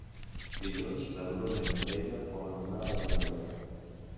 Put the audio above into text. Dilluns na Bruna i na Neida volen anar a la Galera.